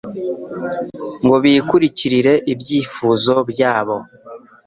ngo bikurikirire ibyifuzo byabo